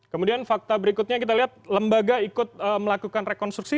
kemudian fakta berikutnya kita lihat lembaga ikut melakukan rekonstruksi